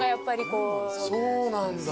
そうなんだ。